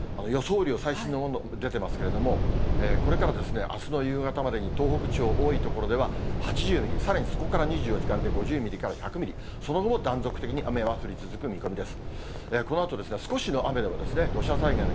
雨量、最新のもの出てますけれども、これからあすの夕方までに東北地方、多い所では８０ミリ、さらにそこから２４時間で５０ミリから１００ミリ、その後も断続的に雨は降り続く見込みです。